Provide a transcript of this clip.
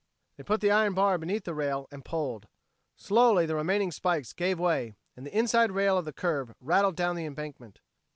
They put the iron bar beneath the rail, and pulled. Slowly the remaining spikes gave way, and the inside rail of the curve rattled down the embankment.